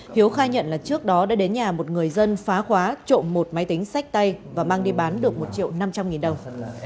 hiếu khai nhận là trước đó đã đến nhà một người dân phá khóa trộm một máy tính sách tay và mang đi bán được một triệu năm trăm linh nghìn đồng